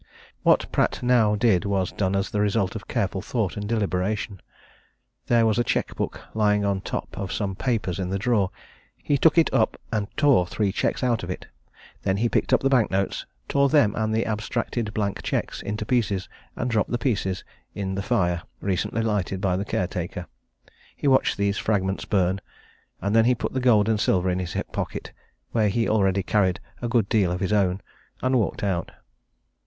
What Pratt now did was done as the result of careful thought and deliberation. There was a cheque book lying on top of some papers in the drawer; he took it up and tore three cheques out of it. Then he picked up the bank notes, tore them and the abstracted blank cheques into pieces, and dropped the pieces in the fire recently lighted by the caretaker. He watched these fragments burn, and then he put the gold and silver in his hip pocket, where he already carried a good deal of his own, and walked out.